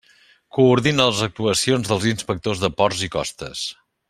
Coordina les actuacions dels inspectors de ports i costes.